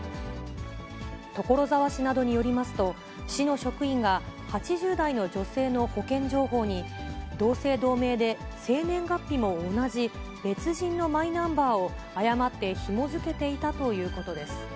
所沢市などによりますと、市の職員が８０代の女性の保険情報に、同姓同名で生年月日も同じ別人のマイナンバーを誤ってひも付けていたということです。